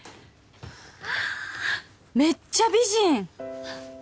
ああめっちゃ美人！